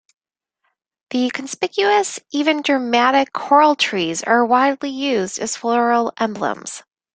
The conspicuous, even dramatic coral trees are widely used as floral emblems.